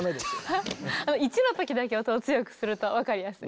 １の時だけ音を強くすると分かりやすい。